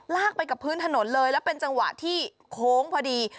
ไปกับพื้นถนนเลยแล้วเป็นจังหวะที่โค้งพอดี